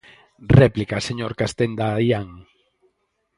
Réplica, señor Castenda Aián.